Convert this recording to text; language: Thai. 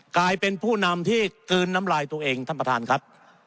กลายเป็นผู้นำที่กลืนน้ำลายตัวเองท่านประธานครับ